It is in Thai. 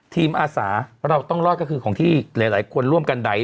อาสาเราต้องรอดก็คือของที่หลายคนร่วมกันใด